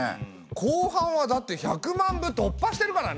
後半はだって１００万部突破してるからね！